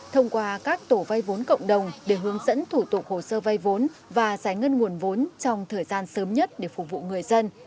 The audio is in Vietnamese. thông qua các tổ vay vốn cộng đồng để hướng dẫn thủ tục hồ sơ vay vốn và giải ngân nguồn vốn trong thời gian sớm nhất để phục vụ người dân